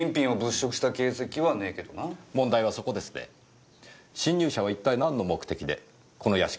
侵入者は一体何の目的でこの屋敷に忍び込んだのか。